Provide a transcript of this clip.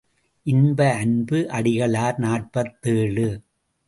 இன்ப அன்பு அடிகளார் நாற்பத்தேழு.